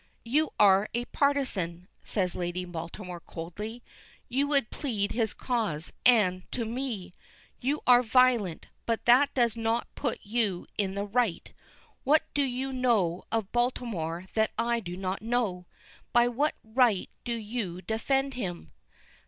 "You are a partisan," says Lady Baltimore coldly. "You would plead his cause, and to me! You are violent, but that does not put you in the right. What do you know of Baltimore that I do not know? By what right do you defend him?"